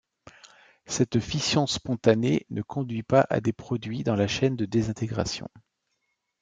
Cette fission spontanée ne conduit pas à des produits dans la chaîne de désintégration.